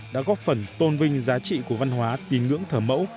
đã góp phần tôn vinh giá trị của văn hóa tín ngưỡng thờ mẫu